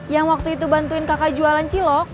yang waktu itu bantuin kakak jualan cilok